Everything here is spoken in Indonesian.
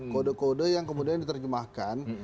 kode kode yang kemudian diterjemahkan